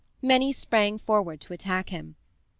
Many sprang forward to attack him.